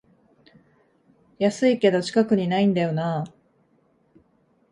安いけど近くにないんだよなあ